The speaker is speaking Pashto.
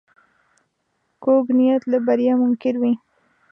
کوږ نیت له بریا منکر وي